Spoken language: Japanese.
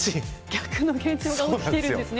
逆の現象が起きてるんですね